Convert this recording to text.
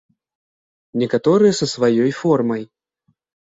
Некаторыя са сваёй формай.